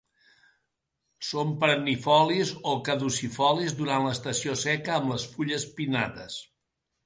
Són perennifolis o caducifolis durant l'estació seca amb les fulles pinnades.